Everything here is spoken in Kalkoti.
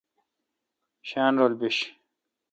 شاین رل بیش۔